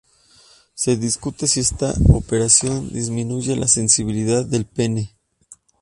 Se discute si esta operación disminuye la sensibilidad del pene.